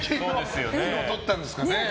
昨日撮ったんですかね。